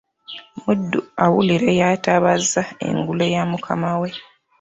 Muddu awulira y’atabaaza engule ya Mukamaawe